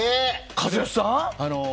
一義さん？